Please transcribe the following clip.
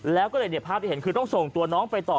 แล้วก็ภาพที่เห็นคือต้องส่งตัวน้องไปต่อ